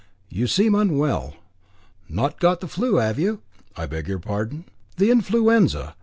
"You seem unwell. Not got the 'flue, have you?" "I beg your pardon?" "The influenza.